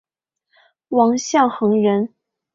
王象恒人。